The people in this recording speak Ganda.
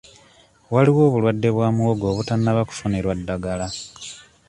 Waliwo obulwadde bwa muwogo obutannaba kufunirwa ddagala.